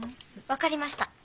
分かりました。